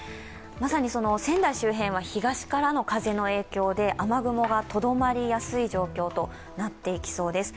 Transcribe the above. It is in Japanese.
まさに仙台周辺は東からの風の影響で雨雲がとどまりやすい状況となっていきそうです。